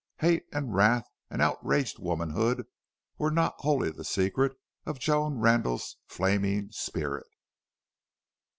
Hate and wrath and outraged womanhood were not wholly the secret of Joan Randle's flaming spirit.